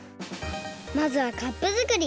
まずはカップ作り！